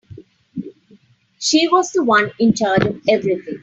She was the one in charge of everything.